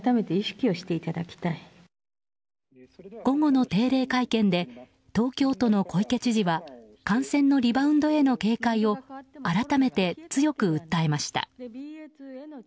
午後の定例会見で東京都の小池知事は感染のリバウンドへの警戒を改めて強く訴えました。